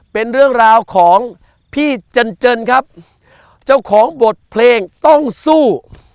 เป็นเรื่องราวของพี่จันเจินครับเจ้าของบทเพลงต้องสู้